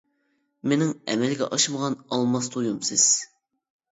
مېنىڭ ئەمەلگە ئاشمىغان ئالماس تويۇم سىز.